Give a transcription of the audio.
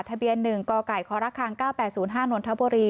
ทะเบียน๑กไก่ครค๙๘๐๕นนทบุรี